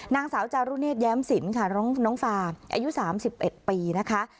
นางสาวจารุเนศแย้มสินค่ะน้องน้องฟาอายุสามสิบเอ็ดปีนะคะ